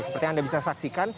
seperti yang anda bisa saksikan